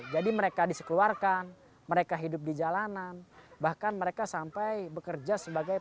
jadi mereka disekeluarkan mereka hidup di jalanan bahkan mereka sampai bekerja sebagainya